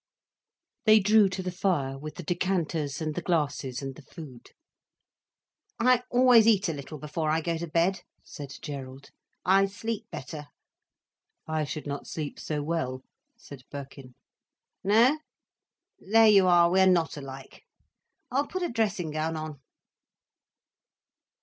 They drew to the fire, with the decanters and the glasses and the food. "I always eat a little before I go to bed," said Gerald. "I sleep better." "I should not sleep so well," said Birkin. "No? There you are, we are not alike. I'll put a dressing gown on."